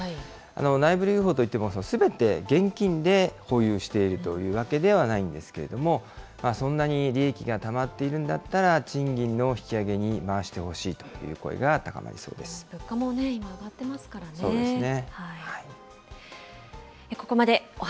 内部留保といってもすべて現金で保有しているというわけではないんですけれども、そんなに利益がたまっているんだったら、賃金の引き上げに回してほしいという声物価も今、上がってますからそうですね。